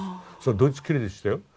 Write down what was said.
ドイツきれいでしたよ。